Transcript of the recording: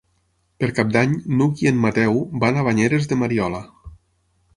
Per Cap d'Any n'Hug i en Mateu van a Banyeres de Mariola.